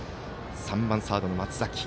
３番、サードの松崎。